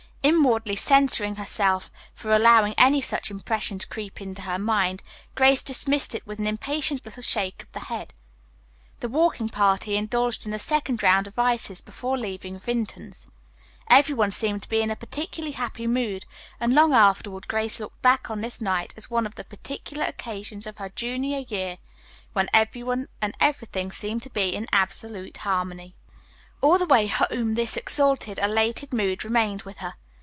Inwardly censuring herself for allowing any such impression to creep into her mind, Grace dismissed it with an impatient little shake of the head. The walking party indulged in a second round of ices before leaving Vinton's. Everyone seemed to be in a particularly happy mood, and long afterward Grace looked back on this night as one of the particular occasions of her junior year, when everyone and everything seemed to be in absolute harmony. All the way home this exalted, elated mood remained with her.